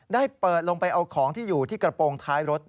ได้เปิดลงไปเอาของที่อยู่ที่กระโปรงท้ายรถ